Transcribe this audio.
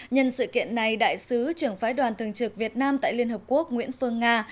nhân sự kiện này đại sứ trưởng phái đoàn thường trực việt nam tại liên hợp quốc nguyễn phương nga